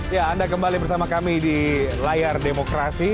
ya anda kembali bersama kami di layar demokrasi